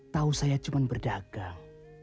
tahu saya cuma berdagang